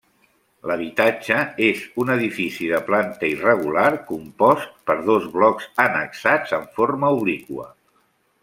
L'habitatge és un edifici de planta irregular, compost per dos blocs annexats en forma obliqua.